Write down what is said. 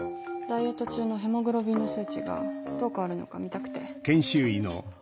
ダイエット中のヘモグロビンの数値がどう変わるのか見たくて。